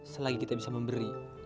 selagi kita bisa memberi